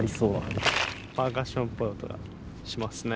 パーカッションっぽい音がしますね。